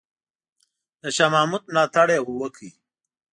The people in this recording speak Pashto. د شاه محمود ملاتړ یې وکړ.